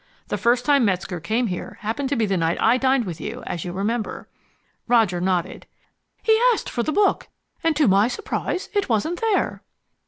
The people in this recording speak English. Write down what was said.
The first time Metzger came here happened to be the night I dined with you, as you remember." Roger nodded. "He asked for the book, and to my surprise, it wasn't there."